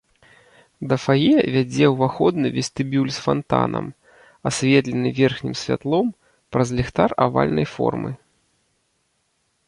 Да фае вядзе ўваходны вестыбюль з фантанам, асветлены верхнім святлом праз ліхтар авальнай формы.